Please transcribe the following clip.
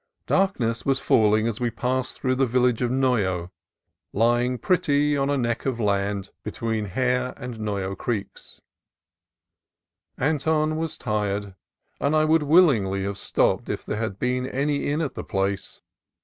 Darkness was falling as we passed through the village of Noyo, lying prettily on a neck of land between Hare and 278 CALIFORNIA COAST TRAILS Noyo Creeks. Anton was tired, and I would willingly have stopped if there had been any inn at the place.